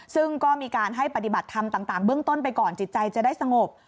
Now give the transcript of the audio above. ซึ่งก็มีการให้ปฏิบัติธรรมต่างเบื้องต้นไปก่อนจิตใจจะได้สงบ